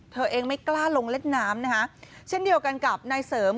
เธอเองไม่กล้าลงเล่นน้ำนะคะเช่นเดียวกันกับนายเสริม